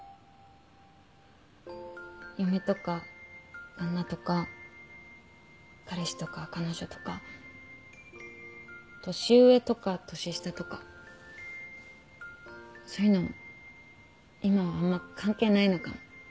嫁とか旦那とか彼氏とか彼女とか年上とか年下とかそういうの今はあんま関係ないのかも。